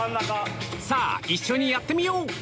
さぁ一緒にやってみよう！